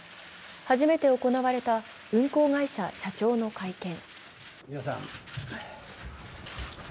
初めて行われた運航会社社長の会見。